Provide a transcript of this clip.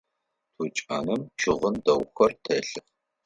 Тучаным щыгъын дэгъухэр телъых.